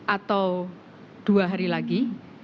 atau dua hari lagi